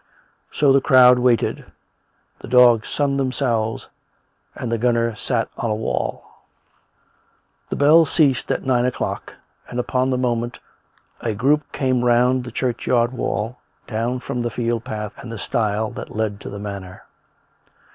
So the crowd waited; the dogs sunned themselves; and the gunner sat on a wall. The bells ceased at nine o'clock, and upon the moment, a group came round the churchyard wall, down from the field path and the stile that led to the manor.